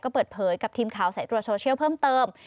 เปิดเผยกับทีมข่าวสายตรวจโซเชียลเพิ่มเติม